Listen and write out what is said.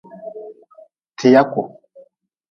Tiyaku.